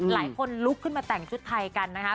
หลายคนลุกขึ้นมาแต่งชุดไทยกันนะคะ